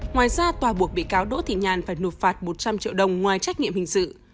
ngoài ra tòa buộc bị cáo đỗ thị nhàn phải nộp phạt một trăm linh triệu đồng ngoài trách nhiệm hình sự